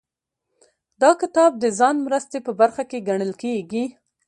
دا کتاب د ځان مرستې په برخه کې ګڼل کیږي.